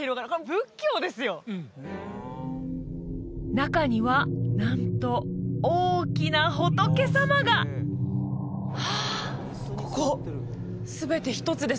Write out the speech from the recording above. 中にはなんと大きな仏様がはあここ全て一つです